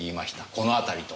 「この辺り」と。